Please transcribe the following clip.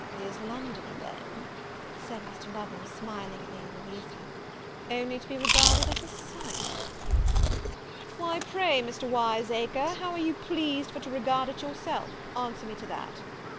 "Is London, then," said Mr. Lovel, smiling at Lady Louisa, "only to be regarded as a sight?" "Why, pray, Mr. Wiseacre, how are you pleased for to regard it yourself? Answer me to that."